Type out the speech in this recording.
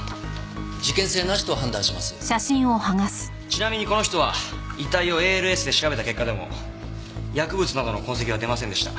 ちなみにこの人は遺体をＡＬＳで調べた結果でも薬物などの痕跡は出ませんでした。